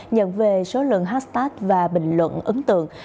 nhận về số lượng hashtag và bình luận ấn tượng